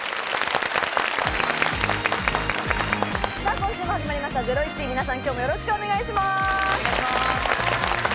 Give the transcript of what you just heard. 今週も始まりました『ゼロイチ』、皆さん、今日もよろしくお願いします。